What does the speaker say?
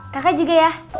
kakak juga ya